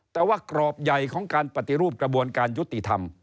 แต่ว่ากรอบใหญ่ของการปฏิรูปกระบวนการยุติธรรม